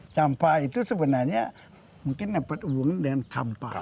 campak itu sebenarnya mungkin dapat hubungan dengan kampar